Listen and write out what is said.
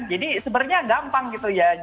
jadi sebenarnya gampang gitu ya